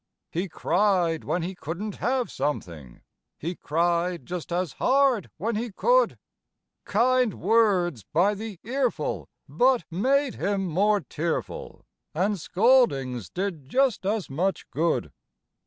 He cried when he couldn't have something; He cried just as hard when he could; Kind words by the earful but made him more tearful, And scoldings did just as much good.